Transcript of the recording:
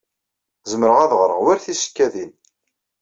Zemreɣ ad ɣreɣ war tisekkadin.